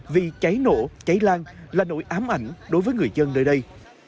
vì trái nổ trái lan là nỗi ám ảnh đối với người dân nơi đây